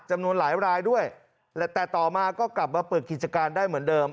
จำนวนหลายรายด้วยแต่ต่อมาก็กลับมาเปิดกิจการได้เหมือนเดิม